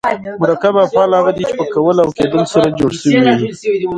مرکب افعال هغه دي، چي په کول او کېدل سره جوړ سوي یي.